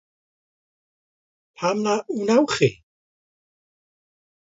Pam na Wnewch Chi?